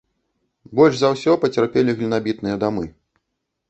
Больш за ўсё пацярпелі глінабітныя дамы.